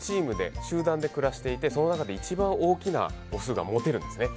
集団で暮らしていてその中で一番大きなオスがモテるんですね。